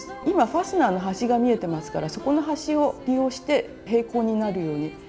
今ファスナーの端が見えてますからそこの端を利用して平行になるように。